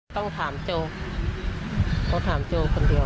ต้องถามโจรหลายครั้งต้องถามโจรหลายคนเดียว